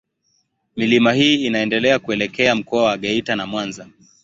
Milima hii inaendelea kuelekea Mkoa wa Geita na Mwanza.